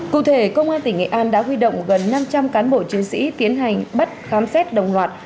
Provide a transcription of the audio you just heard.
cụ thể công an tỉnh nghệ an đã huy động gần năm trăm linh cán bộ chiến sĩ tiến hành bắt khám xét đồng loạt